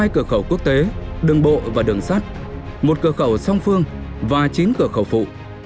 hai cửa khẩu quốc tế đường bộ và đường sắt một cửa khẩu song phương và chín cửa khẩu phụ